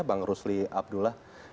bang rusli abdullah